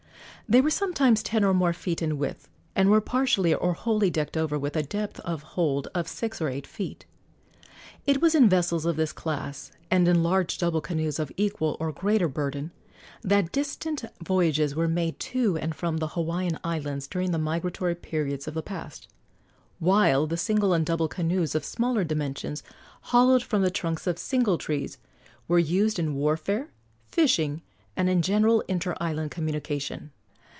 They were sometimes ten or more feet in width, and were partially or wholly decked over, with a depth of hold of six or eight feet. It was in vessels of this class, and in large double canoes of equal or greater burden, that distant voyages were made to and from the Hawaiian Islands during the migratory periods of the past, while the single and double canoes of smaller dimensions, hollowed from the trunks of single trees, were used in warfare, fishing, and in general inter island communication.